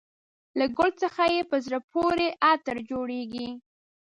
له ګل څخه یې په زړه پورې عطر جوړېږي.